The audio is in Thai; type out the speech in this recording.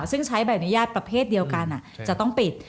ซึ่งใช้ใบอนุญาตประเภทเดียวกันจะต้องปิด